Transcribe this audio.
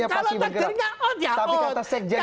kalau takdirnya out ya out